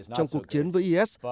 trong cuộc chiến với is